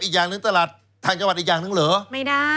อีกอย่างนึงตลาดทางจังหวัดอีกอย่างนึงเหรอ